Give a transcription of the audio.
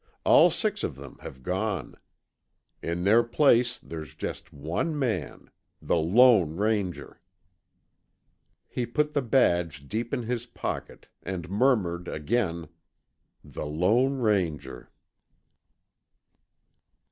All six of them have gone. In their place there's just one man. The lone Ranger." He put the badge deep in his pocket and murmured again, "The Lone Ranger."